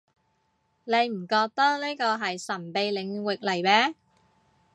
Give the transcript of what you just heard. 你唔覺呢個係神秘領域嚟咩